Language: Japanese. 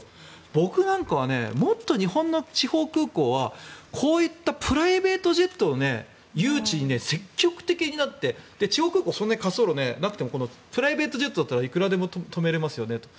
僕なんかはもっと日本の地方空港はこういったプライベートジェットを誘致に積極的になって地方空港そんなに滑走路なくてもプライベートジェットだったらいくらでも止められますよねと。